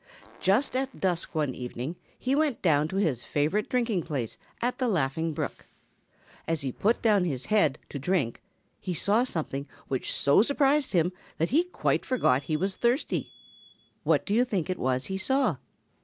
Just at dusk one evening he went down to his favorite drinking place at the Laughing Brook. As he put down his head to drink he saw something which so surprised him that he quite forgot he was thirsty. What do you think it was he saw?